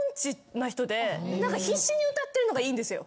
必死に歌ってるのがいいんですよ。